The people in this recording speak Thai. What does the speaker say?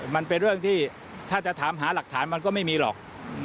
มันเป็นเรื่องที่ถ้าจะถามหาหลักฐานมันก็ไม่มีหรอก